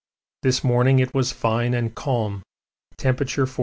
This morning it was fine and calm, temperature 45°.